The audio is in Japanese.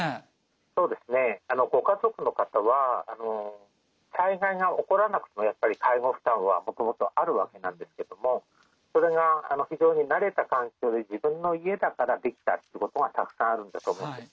そうですねご家族の方は災害が起こらなくてもやっぱり介護負担はもともとあるわけなんですけれどもこれが非常に慣れた環境で自分の家だからできたってことがたくさんあるんだと思うんです。